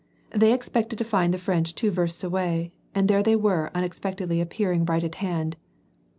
They expected to find the French two versts away^ and there they were unexpectedly appearing right at hand.